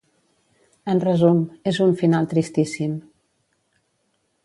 En resum, és un final tristíssim.